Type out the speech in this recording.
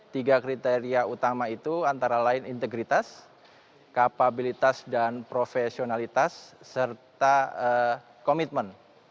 tiga kriteria utama itu antara lain integritas kapabilitas dan profesionalitas serta komitmen